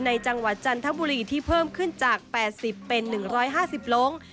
จังหวัดจันทบุรีที่เพิ่มขึ้นจาก๘๐เป็น๑๕๐ลง